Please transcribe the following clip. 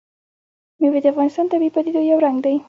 مېوې د افغانستان د طبیعي پدیدو یو رنګ دی.